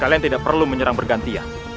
kalian tidak perlu menyerang bergantian